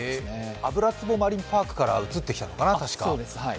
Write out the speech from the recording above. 油壺マリンパークから移ってきたのかな、たしか。